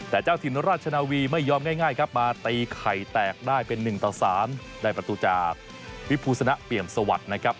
แต่เจ้าถิ่นราชนาวีไม่ยอมง่ายครับมาตีไข่แตกได้เป็น๑ต่อ๓ได้ประตูจากวิภูสนะเปี่ยมสวัสดิ์นะครับ